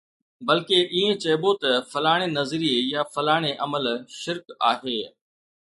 بلڪ ائين چئبو ته فلاڻي نظريي يا فلاڻي عمل شرڪ آهي.